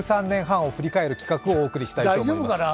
１３年半を振り返る企画をお送りしたいと思います。